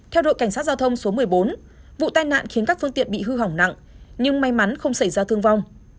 theo đội cảnh sát giao thông số một mươi bốn vụ tai nạn khiến các phương tiện bị hư hỏng nặng nhưng may mắn không xảy ra thương vong